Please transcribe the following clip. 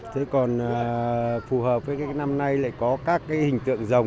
thế còn phù hợp với cái năm nay lại có các cái hình tượng dòng